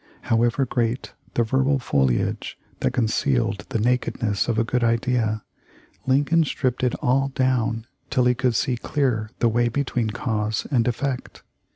However great the verbal foliage that concealed the nakedness of a good idea Lincoln stripped it all down till he could see clear the way between cause and effect.